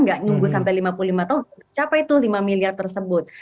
nggak nunggu sampai lima puluh lima tahun capai tuh lima miliar tersebut